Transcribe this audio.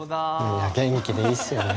元気でいいっすよね